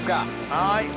はい。